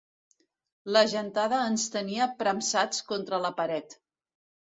La gentada ens tenia premsats contra la paret.